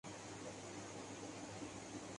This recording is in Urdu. عالمی مالیاتی ادارے اس نظام پر بھروسہ کرتے ہیں۔